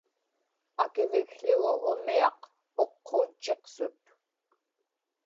akivikł̣ugu umiaq uqquutchiqsut